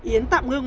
yến tạm ngưng